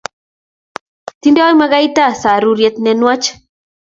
Tindoi makaita saruryet ne nwach